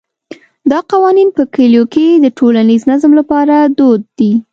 دا قوانین په کلیو کې د ټولنیز نظم لپاره دود دي.